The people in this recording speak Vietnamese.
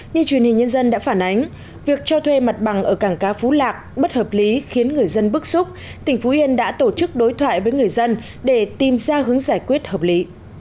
như truyền hình nhân dân đã phản ánh việc cho thuê mặt bằng ở cảng cá phú lạc bất hợp lý khiến người dân bức xúc tỉnh phú yên đã tổ chức đối thoại với người dân để tìm ra hướng giải quyết hợp lý